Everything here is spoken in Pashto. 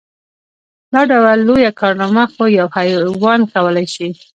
دا ډول لويه کارنامه خو يو حيوان کولی شي.